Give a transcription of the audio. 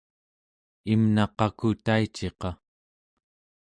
imna qaku taiciqa?